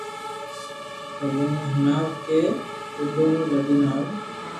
سبوني ھڻاوھ ڪي سبونو لئين ھال